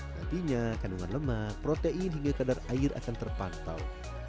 nantinya kandungan lemak protein hingga kadar air akan terpantau